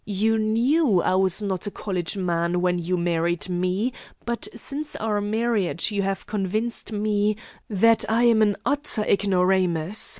You knew I was not a college man when you married me, but since our marriage you have convinced me that I am an utter ignoramus.